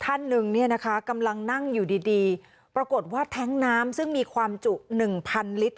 ท่านหนึ่งเนี่ยนะคะกำลังนั่งอยู่ดีดีปรากฏว่าแท้งน้ำซึ่งมีความจุหนึ่งพันลิตร